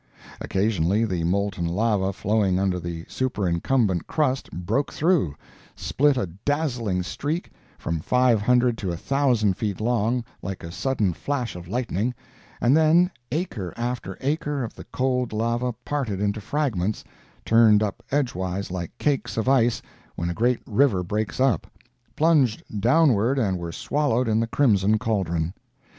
Occasionally the molten lava flowing under the superincumbent crust broke through—split a dazzling streak, from five hundred to a thousand feet long, like a sudden flash of lightning, and then acre after acre of the cold lava parted into fragments, turned up edgewise like cakes of ice when a great river breaks up, plunged downward and were swallowed in the crimson cauldron.